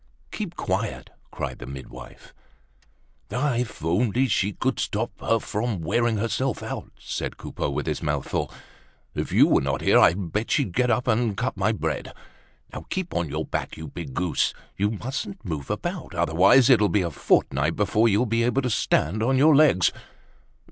"Keep quiet!" cried the midwife. "Ah! if only you could stop her from wearing herself out!" said Coupeau with his mouth full. "If you were not here, I'd bet she'd get up to cut my bread. Keep on your back, you big goose! You mustn't move about, otherwise it'll be a fortnight before you'll be able to stand on your legs.